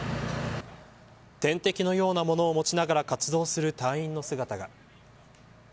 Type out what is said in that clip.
点滴のようなものを持ちながら活動する隊員の姿が。